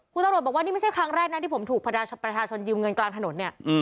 คุณตำรวจบอกว่านี่ไม่ใช่ครั้งแรกนะที่ผมถูกประชาชนยืมเงินกลางถนนเนี่ย